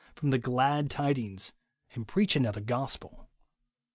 191 from the glad tidings, and preach " another gospel."